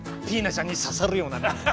ちゃんに刺さるような何かを。